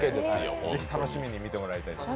ぜひ楽しみに見ていただきたいです。